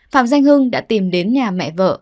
phạm danh hưng đã tìm đến nhà mẹ vợ